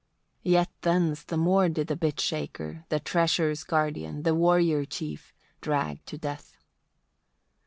Yet thence the more did the bit shaker the treasure's guardian, the warrior chief, drag to death.